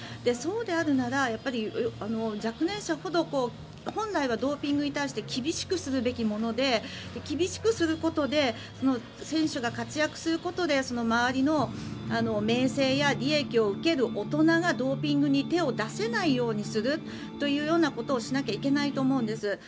そうであるなら、若年者ほど本来はドーピングに対して厳しくするべきもので厳しくすることでその選手が活躍することで周りの名声や利益を受ける大人がドーピングに手を出せないようにするということをしなきゃいけないと思うんです。